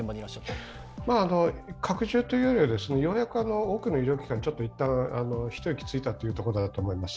拡充というよりは、多くの医療機関、ようやくちょっと一旦、一息ついたというところだと思います。